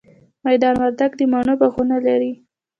میدان وردګ د مڼو باغونه لري